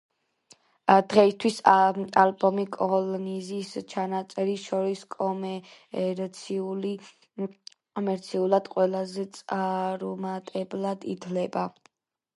დღეისათვის ალბომი კოლინზის ჩანაწერებს შორის კომერციულად ყველაზე წარუმატებლად ითვლება.